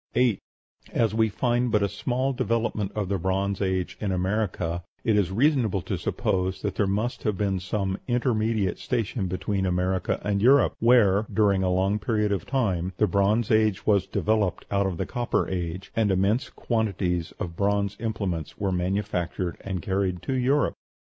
8. As we find but a small development of the Bronze Age in America, it is reasonable to suppose that there must have been some intermediate station between America and Europe, where, during a long period of time, the Bronze Age was developed out of the Copper Age, and immense quantities of bronze implements were manufactured and carried to Europe.